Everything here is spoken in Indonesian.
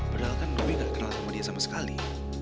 padahal kan robby gak kenal sama dia sama sekali